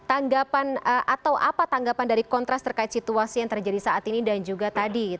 tanggapan atau apa tanggapan dari kontras terkait situasi yang terjadi saat ini dan juga tadi